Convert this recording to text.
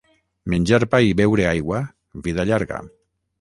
Menjar pa i beure aigua, vida llarga.